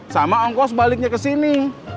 sama ongkos baliknya kesini